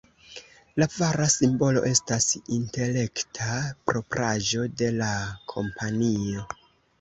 La vara simbolo estas intelekta propraĵo de la kompanio.